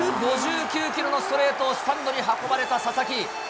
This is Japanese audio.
１５９キロのストレートをスタンドに運ばれた佐々木。